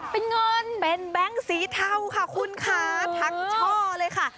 เป็นเงินเป็นแบงค์สีเทาค่ะคุณคะทั้งช่อเลยค่ะ